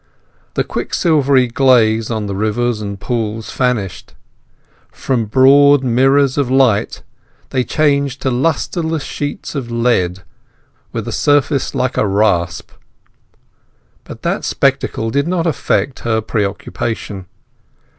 The quick silvery glaze on the rivers and pools vanished; from broad mirrors of light they changed to lustreless sheets of lead, with a surface like a rasp. But that spectacle did not affect her preoccupation.